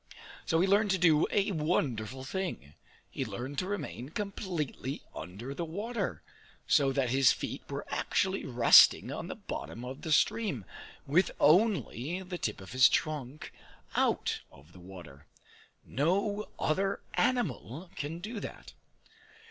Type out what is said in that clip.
So he learned to do a wonderful thing he learned to remain completely under the water, so that his feet were actually resting on the bottom of the stream, with only the tip of his trunk out of the water. No other animal can do that.